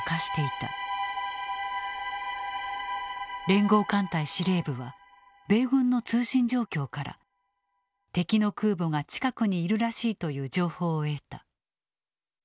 連合艦隊司令部は米軍の通信状況から敵の空母が近くにいるらしいという情報を得た。